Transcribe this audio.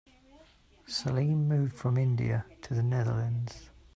Salim moved from India to the Netherlands.